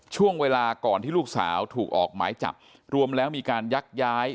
ช่วงเวลาก่อนที่ลูกสาวถูกออกหมายจับรวมแล้วมีการยักย้าย